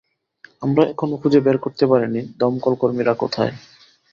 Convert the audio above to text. আমরা এখনো খুঁজে বের করতে পারিনি দমকল কর্মীরা কোথায়।